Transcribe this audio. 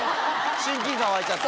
親近感湧いちゃって。